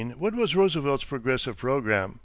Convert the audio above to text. What was Roosevelt's progressive program?